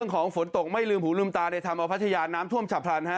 ส่วนของฝนตกไม่ลืมหูลืมตาได้ทำเอาพัทยานน้ำท่วมชะพรรณฮะ